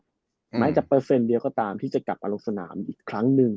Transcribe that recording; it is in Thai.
แม้จะเปอร์เซ็นต์เดียวก็ตามที่จะกลับมาลงสนามอีกครั้งหนึ่ง